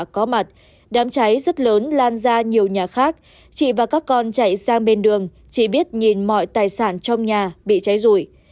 chị và các con chạy sang bên đường chỉ biết nhìn mọi tài sản trong nhà bị cháy rủi